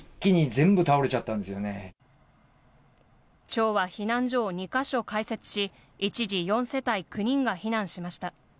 町は避難所を２か所開設し、一時４世帯９人が避難しました。